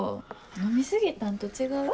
飲み過ぎたんと違う？